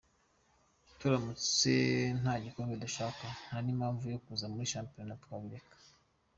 Turamutse nta gikombe dushaka nta n’impamvu yo kuza muri shampiyona , twabireka.